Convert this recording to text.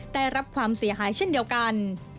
ได้รับความเสียหายเช่นเดียวกัน